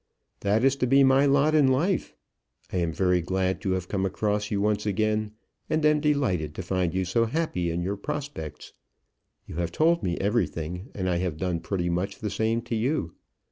"That is to be my lot in life. I am very glad to have come across you once again, and am delighted to find you so happy in your prospects. You have told me everything, and I have done pretty much the same to you.